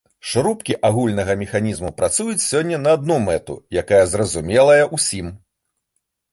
Шрубкі агульнага механізму працуюць сёння на адну мэту, якая зразумелая ўсім.